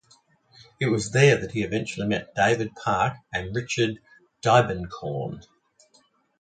It is there that he eventually met David Park and Richard Diebenkorn.